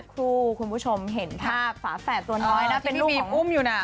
คุณผู้ชมเห็นภาพฝาแฝดตัวน้อยนะเป็นลูกอุ้มอยู่น่ะ